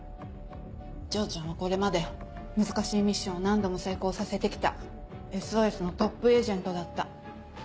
丈ちゃんはこれまで難しいミッションを何度も成功させて来た「ＳＯＳ」のトップエージェントだった。